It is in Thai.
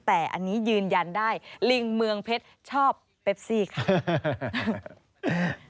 แต่อันนี้ยืนยันได้ลิงเมืองเพชรชอบเปปซี่ค่ะ